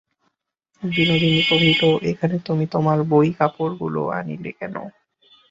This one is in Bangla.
বিনোদিনী কহিল, এখানে তুমি তোমার বই-কাপড়গুলা আনিলে কেন।